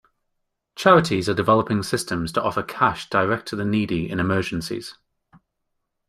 Charities are developing systems to offer cash direct to the needy in emergencies.